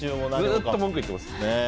ずっと文句言ってます。